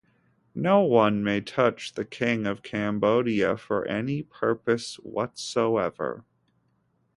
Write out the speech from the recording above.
No one may touch the king of Cambodia for any purpose whatsoever.